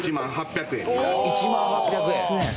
１万８００円？